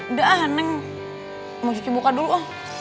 udah neng mau cuci buka dulu ah